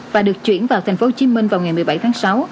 và được chuyển vào tp hcm vào ngày một mươi bảy tháng sáu